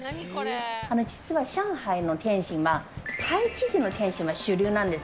実は上海の点心はパイ生地の点心が主流なんですよ。